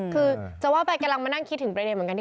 คือจะว่าไปกำลังมานั่งคิดถึงประเด็นเหมือนกัน